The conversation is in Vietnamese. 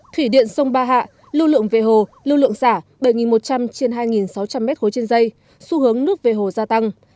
thủy điện sông ba hạ lưu lượng về hồ lưu lượng xả bảy một trăm linh trên hai sáu trăm linh m ba trên dây xu hướng nước về hồ gia tăng